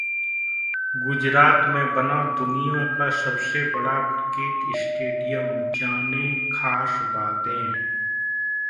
गुजरात में बना दुनिया का सबसे बड़ा क्रिकेट स्टेडियम, जानें खास बातें